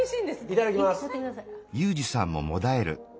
いただきます。